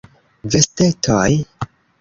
Vestetoj.